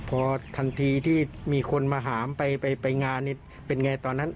พอทันทีที่มีคนมาหามไปงานนี่เป็นไงตอนนั้น